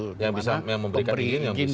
yang bisa memberikan izin yang bisa